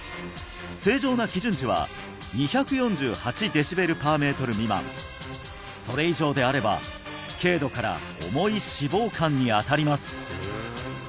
正常な基準値は２４８ｄＢ／ｍ未満それ以上であれば軽度から重い脂肪肝にあたります